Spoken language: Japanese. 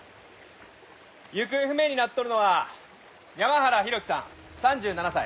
行方不明になっとるのは山原浩喜さん３７歳。